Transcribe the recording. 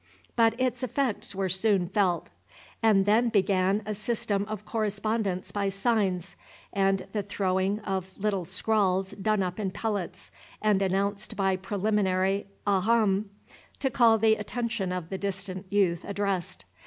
But its effects were soon felt; and then began a system of correspondence by signs, and the throwing of little scrawls done up in pellets, and announced by preliminary a'h'ms! to call the attention of the distant youth addressed.